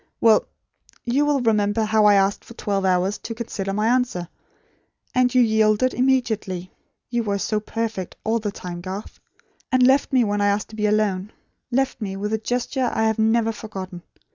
Well you will remember how I asked for twelve hours to consider my answer; and you yielded, immediately; (you were so perfect, all the time, Garth) and left me, when I asked to be alone; left me, with a gesture I have never forgotten.